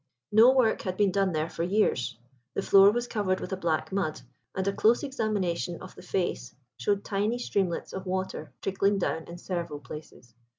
No work had been done there for years. The floor was covered with a black mud, and a close examination of the face showed tiny streamlets of water trickling down in several places.